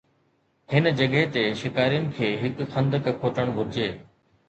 هن جڳهه تي، شڪارين کي هڪ خندق کوٽڻ گهرجي